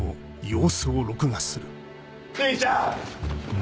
兄ちゃん！